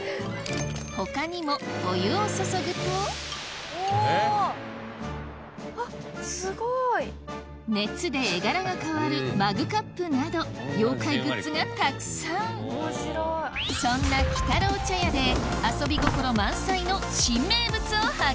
他にもお湯を注ぐと熱で絵柄が変わるマグカップなど妖怪グッズがたくさんそんな鬼太郎茶屋で失礼します。